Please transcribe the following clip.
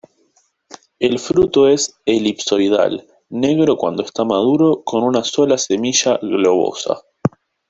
El fruto es elipsoidal, negro cuando está maduro, con una sola semilla globosa.